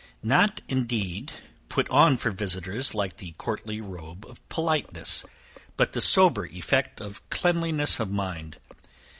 Not, indeed put on for visiters like the courtly robe of politeness, but the sober effect of cleanliness of mind.